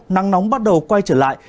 nắng nóng bắt đầu quay trở lại